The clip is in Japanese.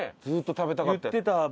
ずっと食べたかった。